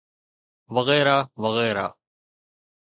وغيره وغيره.